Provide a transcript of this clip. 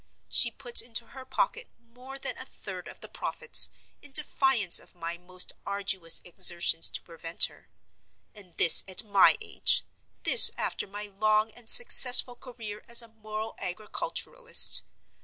She puts into her pocket more than a third of the profits, in defiance of my most arduous exertions to prevent her. And this at my age! this after my long and successful career as a moral agriculturist!